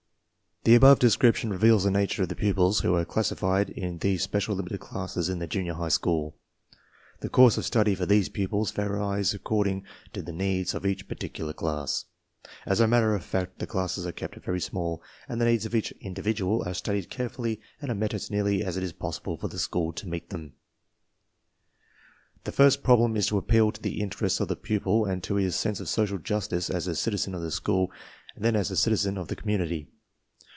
The above description reveals the nature of the pupils who are classified in these special limited classes in the junior high school. The course of study for these pupils varies according to the needs of each particular class. As a matter of fact, the classes are kept very small and the needs of each individual are studied carefully and CLASSIFICATION BY MENTAL ABILITY 49 are met as nearly as it is possible for the school to meet them. The first problem is to appeal to the interests""] of the pupil and to his sense of social justice as a citizen of the school and then as a citizen of the community.